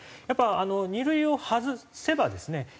やっぱ２類を外せばですね